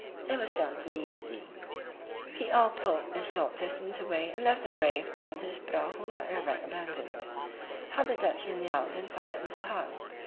It was done immediately; we all pulled a short distance away and left the brave Datoo's prahu like a wreck abandoned. How the Dutchmen yelled and fired into her!